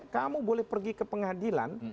kamu boleh pergi ke pengadilan